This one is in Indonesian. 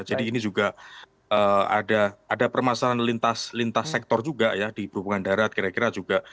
jadi ini juga ada permasalahan lintas sektor juga ya di perhubungan darat kira kira juga